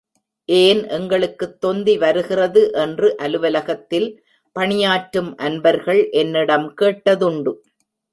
ஏன் எங்களுக்குத் தொந்தி வருகிறது என்று அலுவலகத்தில் பணியாற்றும் அன்பர்கள் என்னிடம் கேட்டதுண்டு.